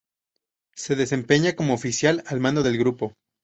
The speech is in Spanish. Se desempeña como oficial al mando del grupo.